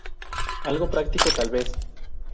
Algo práctico tal vez?